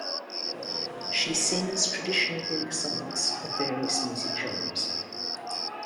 She sings traditional Greek songs of various music genres.